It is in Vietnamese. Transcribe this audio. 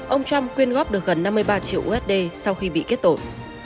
ông trump quyên góp được gần năm mươi ba triệu usd sau khi bị kết tội